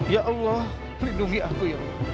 ya allah perlindungi aku ya allah